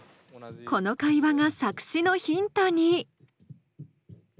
この会話が作詞のヒントに！